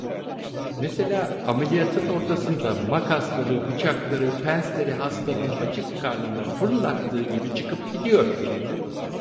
Mesela, ameliyatın ortasında makasları, bıçakları, pensleri hastanın açık karnına fırlattığı gibi çıkıp gidiyor.